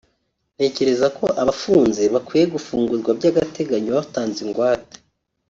ntekereza ko abafunze bakwiye gufungurwa by’agateganyo batanze ingwate